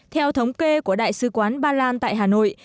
theo thống kê của đại sứ quán ba lan tại hà nội